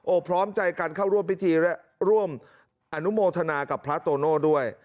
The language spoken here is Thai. พร้อมใจกันเข้าร่วมพิธีและร่วมอนุโมทนากับพระโตโน่ด้วย